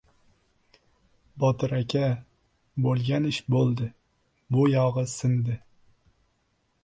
— Botir aka, bo‘lgan ish bo‘ldi, buyog‘i sindi.